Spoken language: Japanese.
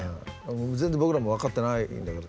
全然僕らも分かってないんだけど。